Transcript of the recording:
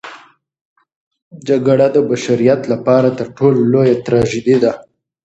جګړه د بشریت لپاره تر ټولو لویه تراژیدي ده.